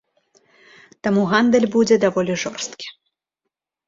Таму гандаль будзе даволі жорсткі.